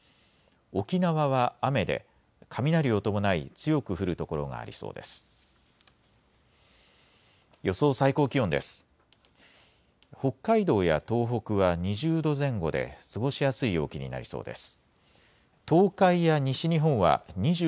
沖縄は雨で雷を伴い強く降る所がありそうです。